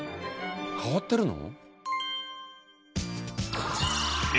変わってるの？